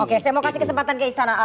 oke saya mau kasih kesempatan ke istana